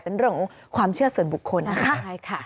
แต่นั่นเรื่องของความเชื่อส่วนบุคคลนะคะ